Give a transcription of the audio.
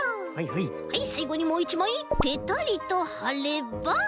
はいさいごにもういちまいペタリとはれば。